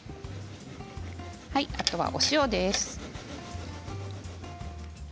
あとはお塩です。